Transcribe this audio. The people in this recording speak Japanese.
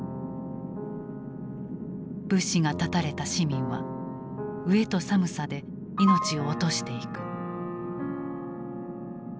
物資が断たれた市民は飢えと寒さで命を落としていく。